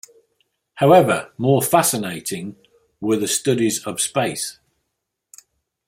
However, more fascinating were the studies of space.